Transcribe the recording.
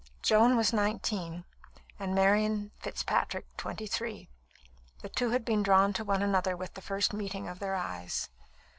Joan was nineteen, and Marian Fitzpatrick twenty three. The two had been drawn to one another with the first meeting of their eyes.